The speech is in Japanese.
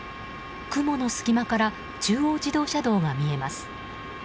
雲の隙間から中央自動車道が見えます。